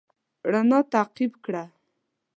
رڼا تعقيب کړه.